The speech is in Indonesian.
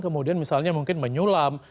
kemudian misalnya mungkin menyulam